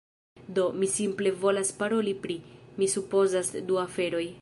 Do, mi simple volas paroli pri... mi supozas du aferoj